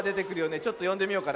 ちょっとよんでみようかな。